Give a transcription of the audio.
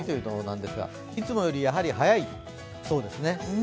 いつもより早いそうですね。